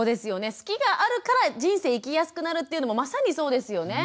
好きがあるから人生生きやすくなるっていうのもまさにそうですよね。